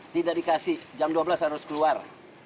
tidak dikasih jam dua belas harus keluar